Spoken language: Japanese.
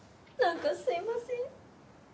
なんかすいません。